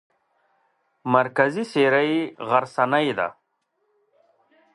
مرکزي څېره یې غرڅنۍ ده.